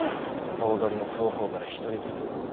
頭取も双方から一人ずつ。